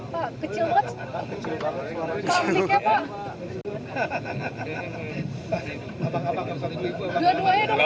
pak kecil banget